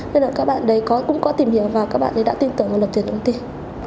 nên là các bạn đấy cũng có tìm hiểu và các bạn đấy đã tin tưởng vào lập tuyển công ty